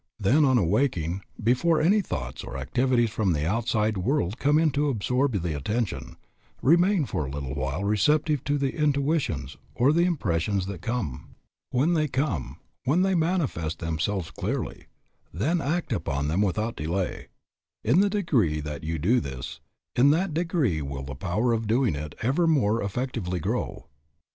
Then on awaking, before any thoughts or activities from the outside world come in to absorb the attention, remain for a little while receptive to the intuitions or the impressions that come. When they come, when they manifest themselves clearly, then act upon them without delay. In the degree that you do this, in that degree will the power of doing it ever more effectively grow.